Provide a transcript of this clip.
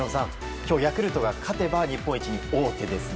今日、ヤクルトが勝てば日本一に王手ですね。